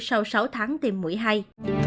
sau sáu tháng tiêm mũi hay